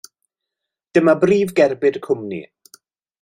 Dyma brif gerbyd y cwmni.